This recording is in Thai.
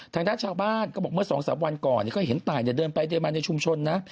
ทางด้านชาวบ้านก็บอกเมื่อ๒๓วันก่อนก็เห็นตายเดินไปเดินมาในชุมชนนะ